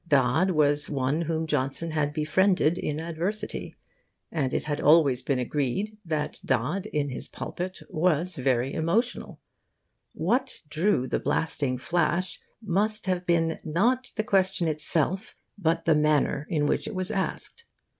Dodd was one whom Johnson had befriended in adversity; and it had always been agreed that Dodd in his pulpit was very emotional. What drew the blasting flash must have been not the question itself, but the manner in which it was asked.